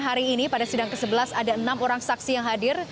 hari ini pada sidang ke sebelas ada enam orang saksi yang hadir